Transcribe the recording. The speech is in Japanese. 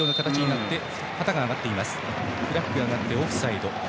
旗が上がって、オフサイド。